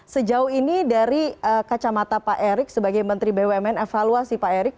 sejauh ini dari kacamata pak erick sebagai menteri bumn evaluasi pak erik